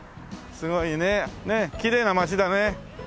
すごいねきれいな街だね。